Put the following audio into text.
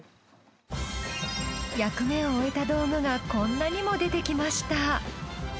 役目を終えた道具がこんなにも出てきました。